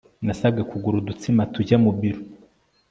nasabwe kugura udutsima tujya mu biro